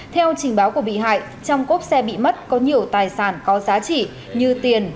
theo trình báo của bị hại trong cốp xe bị mất có nhiều tài sản có giá trị như tiền